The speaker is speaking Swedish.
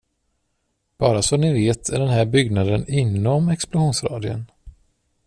Bara så ni vet är den här byggnaden inom explosionsradien.